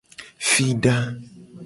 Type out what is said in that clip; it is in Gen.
Fida.